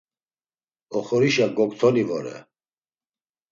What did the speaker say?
Oxorişa goktoni vore.